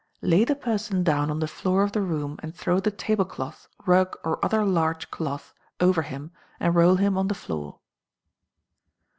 Lay the person down on the floor of the room, and throw the tablecloth, rug, or other large cloth over him, and roll him on the floor.